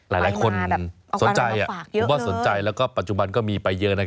หลายคนสนใจและปัจจุบันก็มีไปเยอะนะ